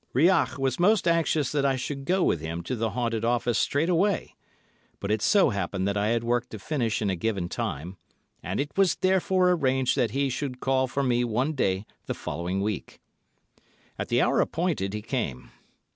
Rouillac was most anxious that I should go with him to the haunted office straightaway, but it so happened that I had work to finish in a given time, and it was therefore arranged that he should call for me one day the following week. At the hour appointed, he came.